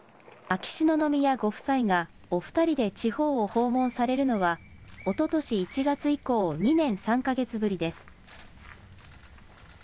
秋篠宮ご夫妻がお２人で地方を訪問されるのは、おととし１月以降、２年３か月ぶりです。